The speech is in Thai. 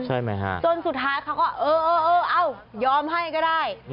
จนสุดท้ายเขาก็เออยอมให้ก็ได้